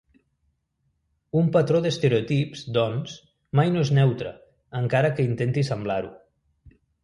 Un patró d'estereotips, doncs, mai no és neutre, encara que intenti semblar-ho.